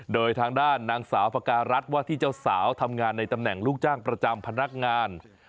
โดยทางด้านนางสาวปาการัฐว่าที่เจ้าสาวทำงานในตำแหน่งลูกจ้างประจำพนักงาน